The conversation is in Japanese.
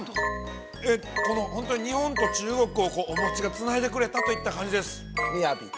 ◆えっと、本当に日本と中国をお餅がつないでくれたといった感じです。